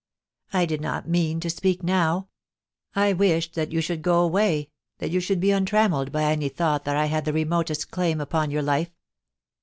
* I did not mean to speak now; I wished that you should go away — that you should be un trammelled by any thought that I had the remotest claim upon your life.